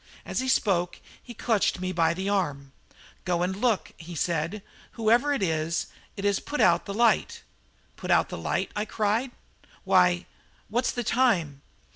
As he spoke he clutched me by the arm. "Go and look," he said; "whoever it is, it has put out the light." "Put out the light?" I cried. "Why, what's the time?"